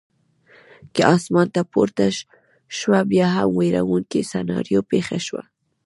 کې اسمان ته پورته شوه، بیا هم وېروونکې سناریو پېښه شوه.